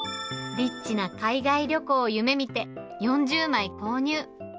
リッチな海外旅行を夢みて、４０枚購入。